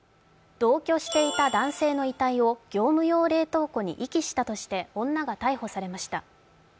同居していた男性の遺体を業務用冷凍庫に遺棄したとして女が逮捕されました。